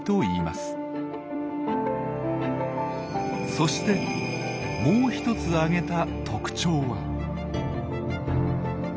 そしてもう一つあげた特徴は。